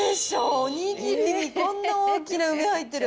おにぎりにこんな大きな梅、入ってる。